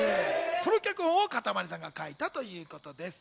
その脚本をかたまりさんが書いたということです。